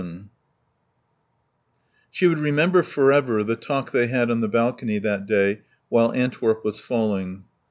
XI She would remember for ever the talk they had on the balcony that day while Antwerp was falling.